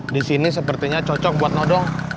disini sepertinya cocok buat nodong